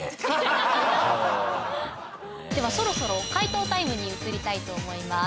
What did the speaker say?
ではそろそろ解答タイムに移りたいと思います。